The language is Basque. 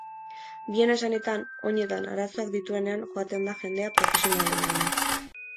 Bien esanetan, oinetan arazoak dituenean joaten da jendea profesionalengana.